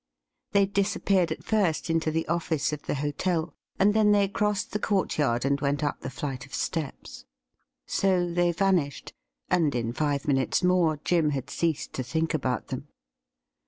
They disappeared at first into the office of the hotel, and then they crossed the courtyard and went up the flight of steps. So they vanished, and in five minutes more Jim had ceased to think about them.